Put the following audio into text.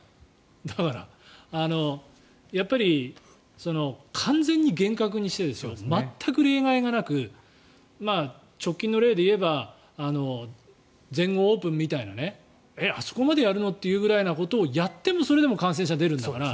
だから、やっぱり完全に厳格にして全く例外がなく直近の例でいえば全豪オープンみたいなあそこまでやるの？みたいなことをやってもそれでも感染者が出るんだから。